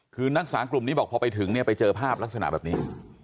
คือนักสามกลุ่มนี้บอกพอไปถึงเนี่ยไปเจอภาพลักษณะแบบนี้